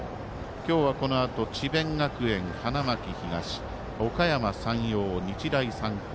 今日は、このあと智弁学園、花巻東おかやま山陽、日大三高。